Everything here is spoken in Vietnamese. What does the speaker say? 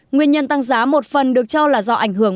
nguyên nhân tăng giá một phần được cho là do ảnh hưởng